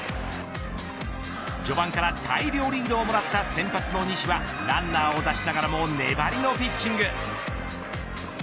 序盤から大量リードをもらった先発の西はランナーを出しながらも粘りのピッチング。